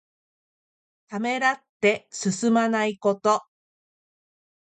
ためらって進まないこと。